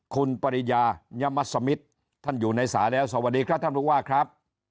คุณปริญญายมัศมิตรท่านอยู่ในสายแล้วสวัสดีครับท่านผู้ว่าครับ